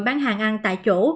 bán hàng ăn tại chỗ